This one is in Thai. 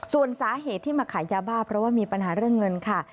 ส่วนสาเหตุที่มาขายยาบ้าเพราะว่ามีปัญหาเรื่องเงินค่ะ